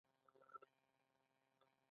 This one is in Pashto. د دواړو توکو په تولید یو ډول کار لګول شوی دی